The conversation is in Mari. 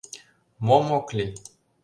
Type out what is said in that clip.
Мом ок лий?